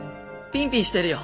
ピンピンしてるよ。